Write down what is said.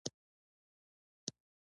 • ونه د خوړو تولید ته مرسته کوي.